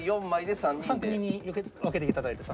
３組に分けていただいて。